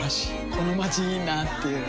このまちいいなぁっていう